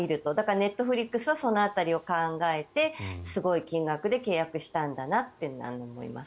ネットフリックスはその辺りを考えてすごい金額で契約したんだなと思います。